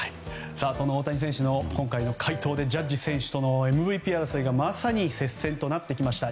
その大谷選手の今回の快投でジャッジ選手とのＭＶＰ争いがまさに接戦となってきました。